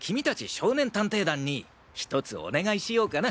少年探偵団にひとつお願いしようかな。